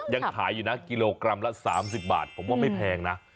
ยังขายอยู่นะกิโลกรัมละ๓๐บาทผมว่าไม่แพงนะ